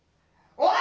おい！